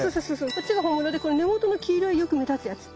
こっちが本物でこの根元の黄色いよく目立つやつ